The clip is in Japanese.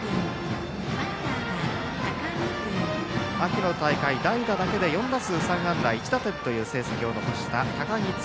秋の大会、代打だけで４打数３安打１打点という成績を残した高木司。